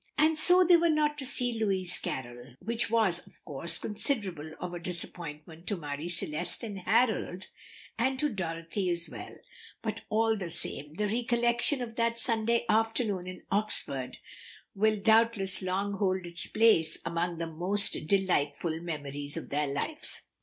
And so they were not to see "Lewis Carroll," which was of course considerable of a disappointment to Marie Celeste and Harold, and to Dorothy as well; but all the same the recollection of that Sunday afternoon in Oxford will doubtless long hold its place among the most delightful memories of their lives.